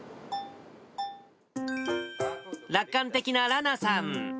楽観的ならなさん。